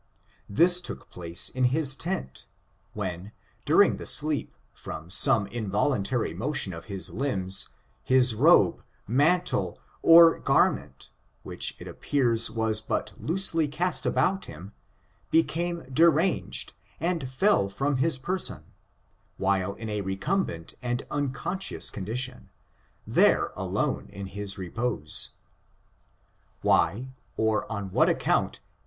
This took place in his tent, when, during the sleep, from some inyoluntary motion of his limbs, his robe, mantle, oi 4* ■^^^^^^^^^^( 90 ORIGIN, CHARACTER, AND garment, which it appears was but loosely cast about him, became deranged, and fell from his person, while in a recumbent and unconscious condition, there alone in his repose. Why, or on what account.